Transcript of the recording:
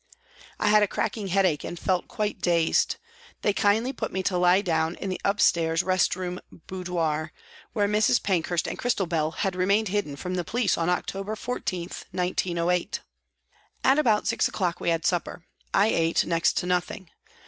I had a cracking headache and felt quite dazed. They kindly put rue to lie down in the upstairs rest room boudoir, where Mrs. Pankhurst and Christabel had remained hidden from the police on October 14, 1908. At about six o'clock we had supper. I ate next to nothing.